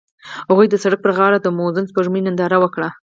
هغوی د سړک پر غاړه د موزون سپوږمۍ ننداره وکړه.